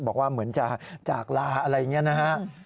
บอกว่าเหมือนจะจากลาอะไรอย่างนี้นะฮะ